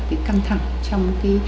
cái căng thẳng trong cái